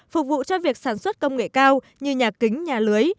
phục vụ cho việc sản xuất công nghệ cao như nhà kính nhà lưới